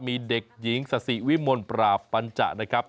มีเด็กหญิงสาธิวิมนต์ปราปัญจะนะครับ